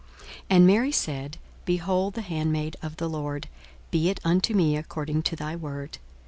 42:001:038 And Mary said, Behold the handmaid of the Lord; be it unto me according to thy word.